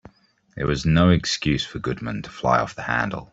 There was no excuse for Goodman to fly off the handle.